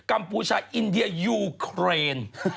กัมปูชายินเดียยยูเครน